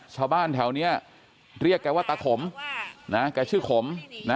ชาวบ้านแถวนี้เรียกแกว่าตาขมนะแกชื่อขมนะ